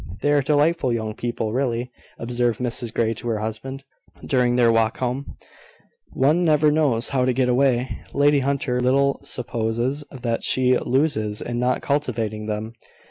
"They are delightful young people, really," observed Mrs Grey to her husband, during their walk home. "One never knows how to get away. Lady Hunter little supposes what she loses in not cultivating them.